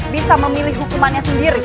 bisa memilih hukumannya sendiri